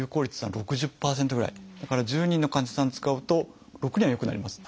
だから１０人の患者さんに使うと６人は良くなります。